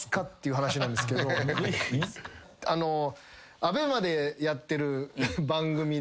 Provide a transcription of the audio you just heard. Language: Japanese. ＡＢＥＭＡでやってる番組で。